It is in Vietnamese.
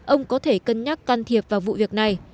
ông có thể cân nhắc can thiệp vào vụ việc này